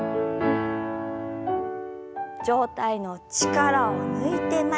上体の力を抜いて前。